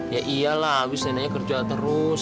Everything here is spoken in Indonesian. ya iyalah abis neneknya kerja terus